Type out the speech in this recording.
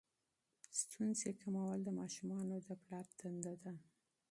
ستونزې کمول د ماشومانو د پلار دنده ده.